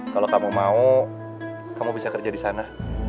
kalau kamu mau kamu bisa kerja di sana